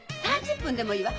３０分でもいいわ。